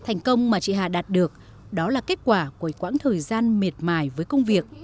thành công mà chị hà đạt được đó là kết quả của quãng thời gian miệt mài với công việc